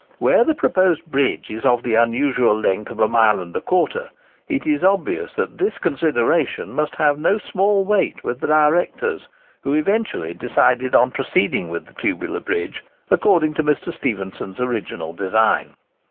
Where the proposed bridge is of the unusual length of a mile and a quarter, it is obvious that this consideration must have had no small weight with the directors, who eventually decided on proceeding with the Tubular Bridge according to Mr. Stephenson's original design.